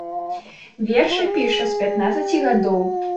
Вершы піша з пятнаццаці гадоў.